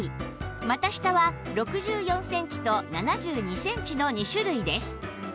股下は６４センチと７２センチの２種類です